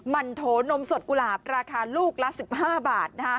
มันโถนมสดกุหลาบราคาลูกละ๑๕บาท